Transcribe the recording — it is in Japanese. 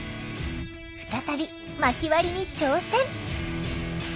再びまき割りに挑戦！